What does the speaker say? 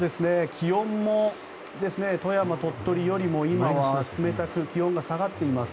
気温も富山、鳥取よりも今は冷たく気温が下がっています。